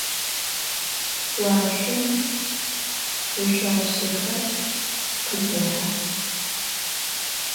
Vuaşsom voşsuapşexer khıtêhex.